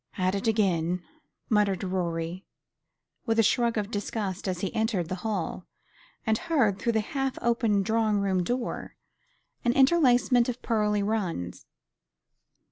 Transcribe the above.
"At it again," muttered Rorie with a shrug of disgust, as he entered the hall, and heard, through the half open drawing room door, an interlacement of pearly runs.